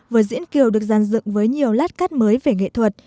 vở diễn kiều được dàn dựng với nhiều lát cắt mới về nghệ thuật